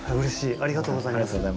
ありがとうございます。